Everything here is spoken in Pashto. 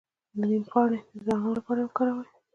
د نیم پاڼې د دانو لپاره وکاروئ